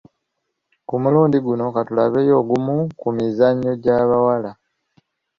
Ku mulundi guno ka tulabeyo ogumu ku mizannyo gy’abawala.